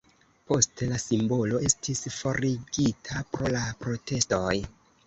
Poste la simbolo estis forigita pro la protestoj.